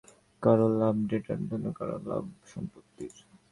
এ ধরনের দেশত্যাগের ঘটনায় কারও লাভ ভোটের, আর কারও লাভ সম্পত্তির।